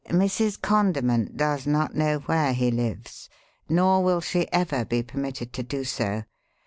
Mrs. Condiment does not know where he lives nor will she ever be permitted to do so.